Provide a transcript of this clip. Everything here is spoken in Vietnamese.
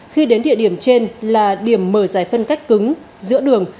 khi đến địa điểm trên là điểm mở giải phân cách cứng giữa đường